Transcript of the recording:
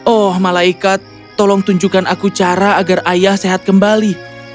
oh malaikat tolong tunjukkan aku cara agar ayah sehat kembali